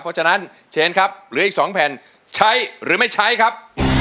เพราะฉะนั้นเชนครับเหลืออีก๒แผ่นใช้หรือไม่ใช้ครับ